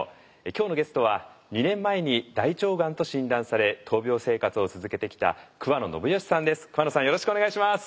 今日のゲストは２年前に大腸がんと診断され闘病生活を続けてきた桑野信義さんです。